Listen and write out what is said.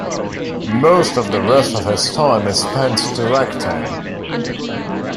Most of the rest of his time is spent directing.